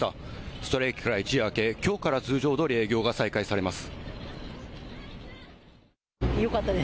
ストライキから一夜明けきょうから通常どおり営業が再開されます。